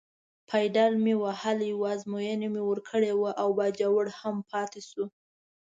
پایډل مې وهلی و، ازموینه مې ورکړې وه او باجوړ هم پاتې شو.